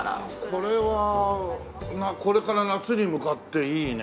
これはこれから夏に向かっていいね。